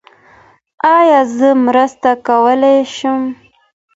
ایا زه مرسته کولي شم؟